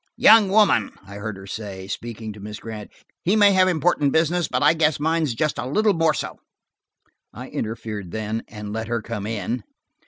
"Young woman," I heard her say, speaking to Miss Grant, "he may have important business, but I guess mine's just a little more so." I interfered then, and let her come in.